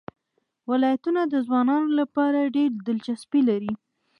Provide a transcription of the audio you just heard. ولایتونه د ځوانانو لپاره ډېره دلچسپي لري.